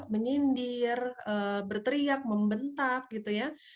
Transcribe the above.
menyindir berteriak membentak gitu ya